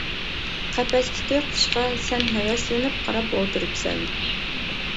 قەپەستىكى قۇشقا سەن ھەۋەسلىنىپ قاراپ ئولتۇرۇپسەن.